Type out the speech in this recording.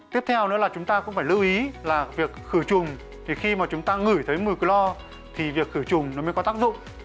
tiếp theo nữa là chúng ta cũng phải lưu ý là việc khử trùng thì khi mà chúng ta ngửi thấy mùi clor thì việc khử trùng nó mới có tác dụng